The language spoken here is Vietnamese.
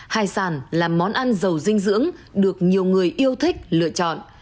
hải sản là món ăn giàu dinh dưỡng được nhiều người yêu thích lựa chọn